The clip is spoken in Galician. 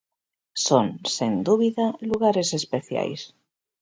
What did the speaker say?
Son, sen dúbida, lugares especiais.